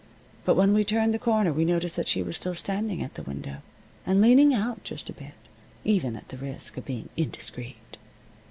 But when we turned the corner we noticed that she was still standing at the window and leaning out just a bit, even at the risk of being indiscreet.